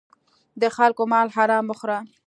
د خلکو مال حرام مه خوره.